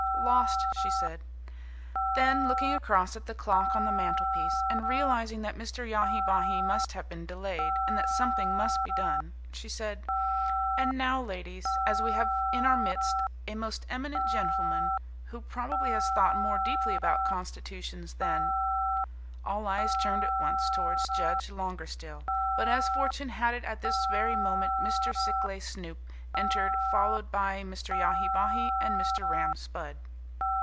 "Lost," she said. Then, looking across at the clock on the mantel piece, and realizing that Mr. Yahi Bahi must have been delayed and that something must be done, she said: "And now, ladies, as we have in our midst a most eminent gentleman who probably has thought more deeply about constitutions than " All eyes turned at once towards Judge Longerstill, but as fortune had it at this very moment Mr. Sikleigh Snoop entered, followed by Mr. Yahi Bahi and Mr. Ram Spudd.